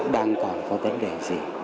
đang còn có vấn đề gì